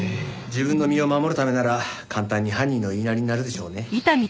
自分の身を守るためなら簡単に犯人の言いなりになるでしょうね。